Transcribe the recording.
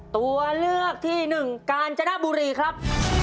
ตัวเลือกที่หนึ่งกาญจนบุรีครับ